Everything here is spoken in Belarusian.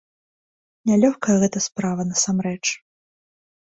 Нялёгкая гэта справа насамрэч.